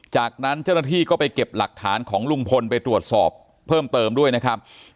จากนั้นเจ้าหน้าที่ก็ไปเก็บหลักฐานของลุงพลไปตรวจสอบเพิ่มเติมด้วยนะครับ